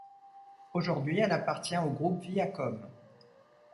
Aujourd'hui elle appartient au groupe Viacom.